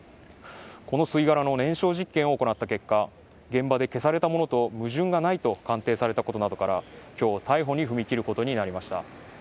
この吸い殻の燃焼実験を行った結果現場で消されたものと矛盾がないと鑑定されたことなどから今日逮捕に踏み切ることになりました。